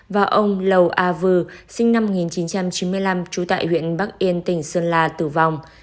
và ông lầu a vừ sinh năm một nghìn chín trăm chín mươi năm trú tại huyện bắc yên tỉnh sơn la tử vong